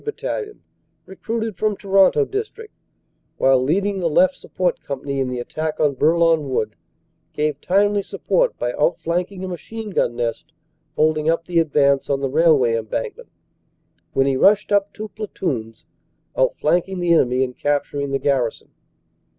Battalion, recruited from Toronto district, while leading the left support company in the attack on Bourlon Wood gave timely support by out flanking a machine gun nest holding up the advance on the railway embankment, when he rushed up two platoons, out flanking the enemy and capturing the garrison.